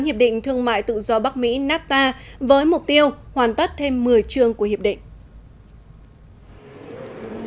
hiệp định thương mại tự do bắc mỹ nafta với mục tiêu hoàn tất thêm một mươi trường của hiệp định